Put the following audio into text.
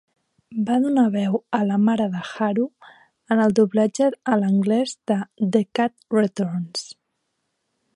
Va donar veu a la mare de Haru en el doblatge a l'anglès de "The Cat Returns".